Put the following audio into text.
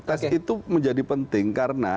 tes itu menjadi penting karena